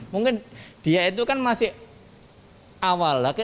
mungkin dia itu kan masih awal lagi